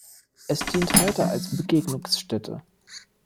Es dient heute als Begegnungsstätte.